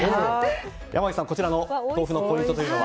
山口さん、こちらの豆腐のポイントというのは。